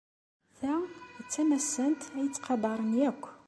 Ta d tamassant ay ttqadaren akk.